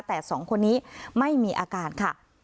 แต่สองคนนี้ไม่มีอาการค่ะ